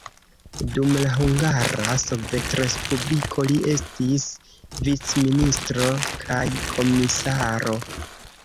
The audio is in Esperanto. Dum la Hungara Sovetrespubliko li estis vicministro kaj komisaro.